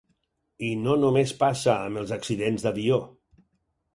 I no només passa amb els accidents d'avió.